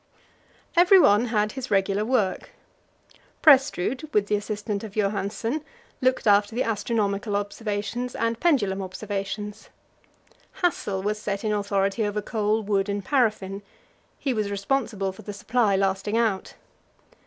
Everyone had his regular work. Prestrud, with the assistance of Johansen, looked after the astronomical observations and the pendulum observations. Hassel was set in authority over coal, wood, and paraffin; he was responsible for the supply lasting out.